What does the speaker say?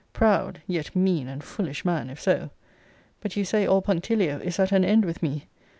Proud, yet mean and foolish man, if so! But you say all punctilio is at an end with me.